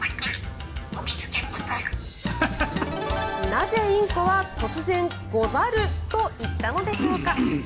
なぜインコは突然「ござる」と言ったのでしょうか。